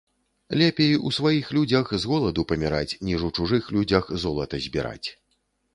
Лепей у сваіх людзях з голаду паміраць, ніж у чужых людзях золата збіраць